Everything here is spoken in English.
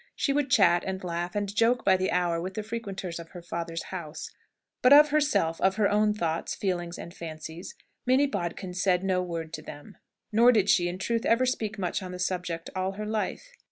She would chat, and laugh, and joke by the hour with the frequenters of her father's house; but of herself of her own thoughts, feelings, and fancies Minnie Bodkin said no word to them. Nor did she, in truth, ever speak much on that subject all her life.